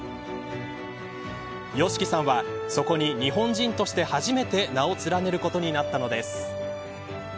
ＹＯＳＨＩＫＩさんはそこに日本人として初めて名を連ねることになったのです。